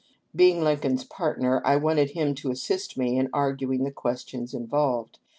Being Lincoln's partner I wanted him to assist me in arguing the questions involved.